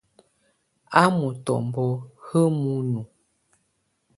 A mutɔmbɔ ha ə munu.